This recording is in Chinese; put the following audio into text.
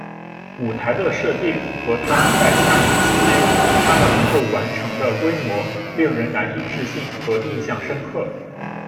舞台的设定和他们在下雨期间他们能够完成的规模令人难以置信和印象深刻。